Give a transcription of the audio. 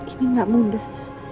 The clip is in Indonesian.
ini gak mudah